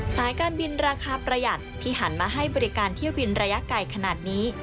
สายการบินราคาประหยัดที่หันมาให้บริการเที่ยวบินระยะไกลขนาดนี้